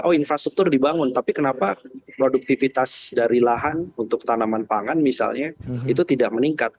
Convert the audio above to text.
oh infrastruktur dibangun tapi kenapa produktivitas dari lahan untuk tanaman pangan misalnya itu tidak meningkat